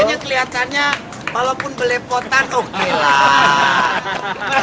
proses masaknya kelihatannya walaupun belepotan oke lah